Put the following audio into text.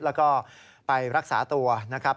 แล้วก็ไปรักษาตัวนะครับ